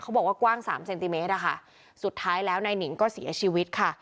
บอกว่ากว้างสามเซนติเมตรอะค่ะสุดท้ายแล้วนายหนิงก็เสียชีวิตค่ะ